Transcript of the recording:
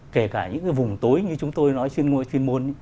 kể cả những cái vùng tối như chúng tôi nói trên môi phim môn